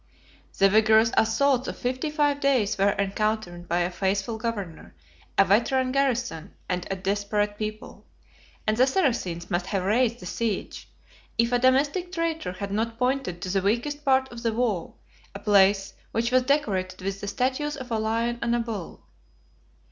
The vigorous assaults of fifty five days were encountered by a faithful governor, a veteran garrison, and a desperate people; and the Saracens must have raised the siege, if a domestic traitor had not pointed to the weakest part of the wall, a place which was decorated with the statues of a lion and a bull.